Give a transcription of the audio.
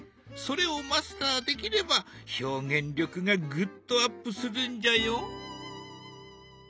それをマスターできれば表現力がぐっとアップするんじゃよ。